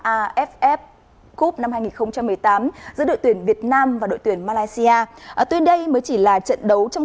aff cup năm hai nghìn một mươi tám giữa đội tuyển việt nam và đội tuyển malaysia tuy đây mới chỉ là trận đấu trong